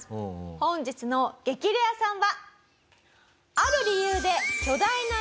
本日の激レアさんは。